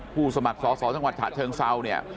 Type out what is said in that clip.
ผู้สมัครสอสอจังหวัดถาเชิงเศร้าเนี่ย